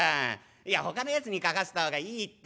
いやほかのやつに書かせた方がいいって。